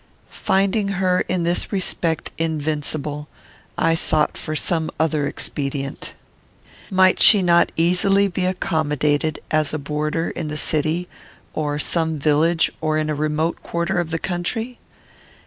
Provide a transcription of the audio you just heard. Finding her, in this respect, invincible, I sought for some other expedient. Might she not easily be accommodated as a boarder in the city, or some village, or in a remote quarter of the country?